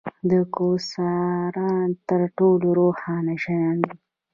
د کواسار تر ټولو روښانه شیان دي.